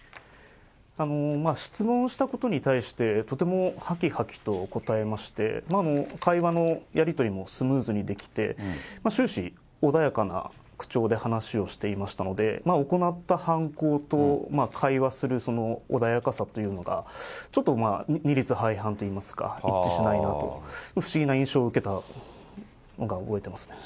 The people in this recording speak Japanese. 質問したことに対して、とてもはきはきと答えまして、会話のやり取りもスムーズにできて、終始、穏やかな口調で話をしていましたので、行った犯行と会話する穏やかさというのが、ちょっと二律背反というか、一致しないなと、不思議な印象を受けたのが覚えてますね。